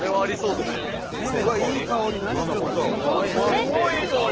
すごいいい香り！